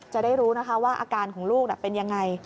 จะได้รู้ว่าอาการของลูกเป็นอย่างไร